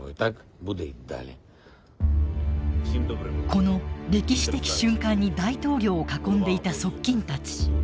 この歴史的瞬間に大統領を囲んでいた側近たち。